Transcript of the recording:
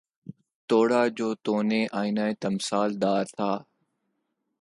توڑا جو تو نے آئنہ تمثال دار تھا